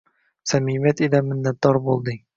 Samimiyat ila minnatdor bo’lding.